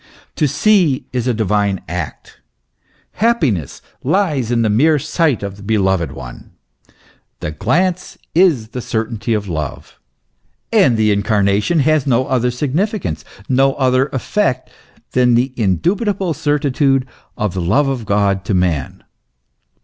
To see is a divine act. Happiness lies in the mere sight of the beloved one. The glance is the certainty of love. And the Incarnation has no other significance, no other effect, than the indubitable certitude of the love of God to man.